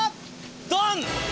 ドン！